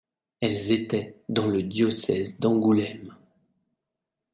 Elles étaient dans le diocèse d'Angoulême.